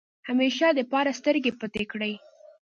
همېشه دپاره سترګې پټې کړې ۔